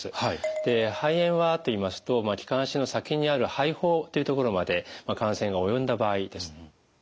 で肺炎はといいますと気管支の先にある肺胞というところまで感染が及んだ場合です。